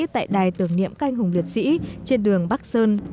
tại đài tưởng niệm canh hùng liệt sĩ trên đường bắc sơn